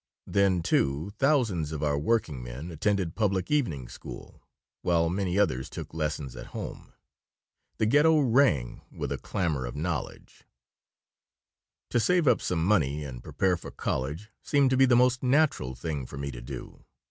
Then, too, thousands of our working men attended public evening school, while many others took lessons at home. The Ghetto rang with a clamor for knowledge To save up some money and prepare for college seemed to be the most natural thing for me to do.